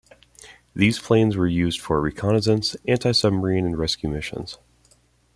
These planes were used for reconnaissance, anti-submarine, and rescue missions.